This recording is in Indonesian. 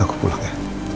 aku pulang ya